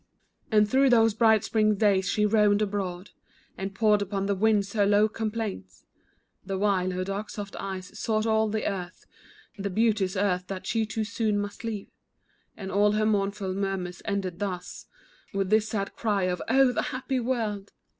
And through those bright spring days she roamed abroad, And poured upon the winds her low complaints; The while her dark soft eyes sought all the earth, The beauteous earth that she too soon must leave; And all her mournful murmurs ended thus With this sad cry of, "Oh, the happy world!"